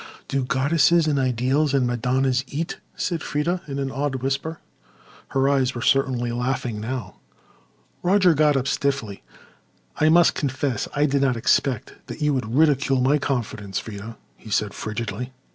"Do goddesses and ideals and Madonnas eat?" said Freda in an awed whisper. Her eyes were certainly laughing now. Roger got up stiffly. "I must confess I did not expect that you would ridicule my confidence, Freda," he said frigidly.